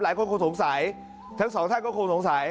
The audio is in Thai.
หลายคนคงสงสัยทั้งสองท่านก็คงสงสัย